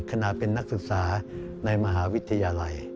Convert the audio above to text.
ขณะเป็นนักศึกษาในมหาวิทยาลัย